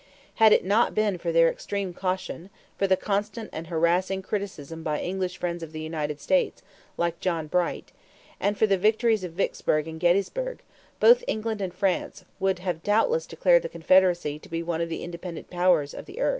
Had it not been for their extreme caution, for the constant and harassing criticism by English friends of the United States like John Bright and for the victories of Vicksburg and Gettysburg, both England and France would have doubtless declared the Confederacy to be one of the independent powers of the earth.